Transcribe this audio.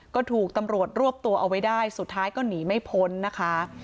ก็ถูกตำรวจรวบตัวเอาไว้ได้สุดท้ายก็หนีไม่พ้นนะคะ